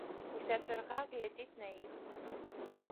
Уся чарга глядзіць на іх.